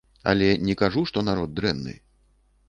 Але не кажу, што народ дрэнны.